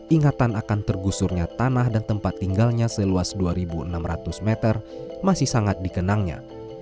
ingatan akan tergusurnya tanah dan tempat tinggalnya seluas dua enam ratus meter masih sangat dikenangnya